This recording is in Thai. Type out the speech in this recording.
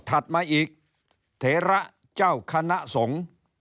ถัดมาอีกเถระเจ้าคณะสงฆ์